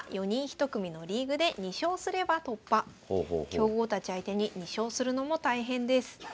強豪たち相手に２勝するのも大変です。